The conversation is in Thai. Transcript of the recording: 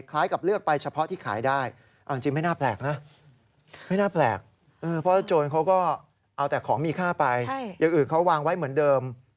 คล้ายกับเลือกไปเฉพาะที่ขายได้